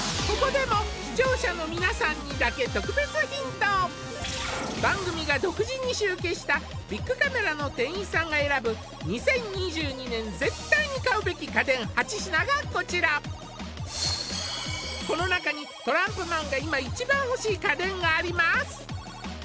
ここでも番組が独自に集計したビックカメラの店員さんが選ぶ２０２２年絶対に買うべき家電８品がこちらこの中にトランプマンが今一番欲しい家電があります